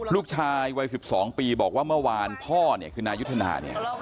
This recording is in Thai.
ลูกชายวัย๑๒ปีบอกว่าเมื่อวานพ่อคือนายุทธนา